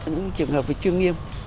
những trường hợp với chương nghiêm